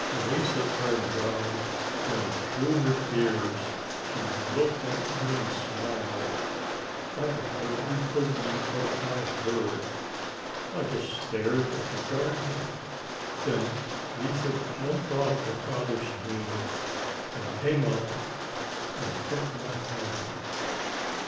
Lise turned round and, through her tears, she looked at me and smiled. I could hardly believe what I heard. I just stared at the gardener. Then Lise jumped off her father's knee and came up and took my hand.